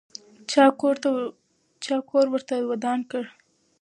چا کور ورته ودان کړ؟